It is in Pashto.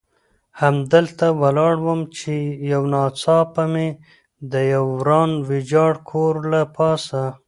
همدلته ولاړ وم، چې یو ناڅاپه مې د یوه وران ویجاړ کور له پاسه.